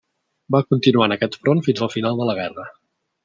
Va continuar en aquest front fins al final de la guerra.